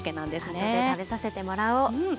あとで食べさせてもらおう。